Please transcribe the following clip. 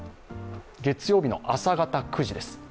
月曜日の朝方９時です。